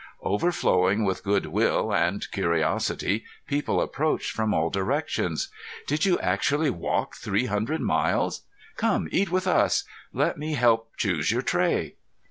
Overflowing with good will and curiosity, people approached from all directions. "Did you actually walk three hundred miles? Come, eat with us. Let me help choose your tray."